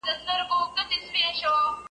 له لګېدلو سره توپیر وسي `